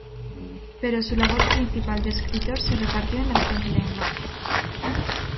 Pero su labor principal de escritor se repartió en las dos lenguas.